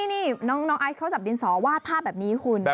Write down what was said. นี่น้องไอซ์เขาจับดินสอวาดภาพแบบนี้คุณ